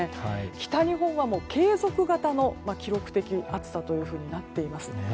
北日本は継続型の記録的暑さとなっています。